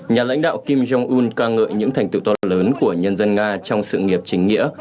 nhà lãnh đạo kim jong un ca ngợi những thành tựu to lớn của nhân dân nga trong sự nghiệp chính nghĩa